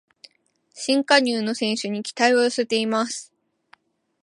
新加入の選手に期待を寄せています